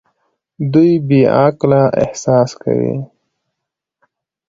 دوی بې علاقه احساس کوي.